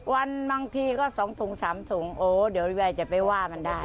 วันบางทีก็๒๓ถุงโอ้วเดี๋ยวเอาไว้จะไปว่ามันได้